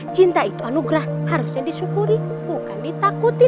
cinta itu anugerah harusnya disyukuri bukan ditakuti